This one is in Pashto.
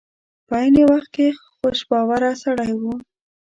په عین وخت کې خوش باوره سړی و.